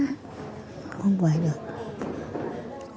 không về được